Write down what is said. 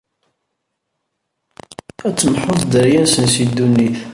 Ad temḥuḍ dderya-nsen si ddunit.